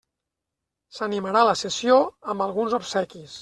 S'animarà la sessió amb alguns obsequis.